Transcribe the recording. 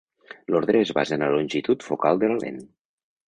L'ordre es basa en la longitud focal de la lent.